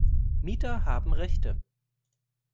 Mieter haben Rechte.